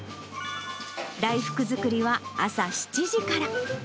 大福作りは朝７時から。